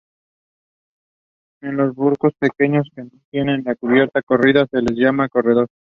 En los barcos pequeños que no tienen la cubierta corrida, se les llama "corredor".